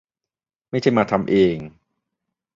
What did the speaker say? ไม่ใช่มาทำเอง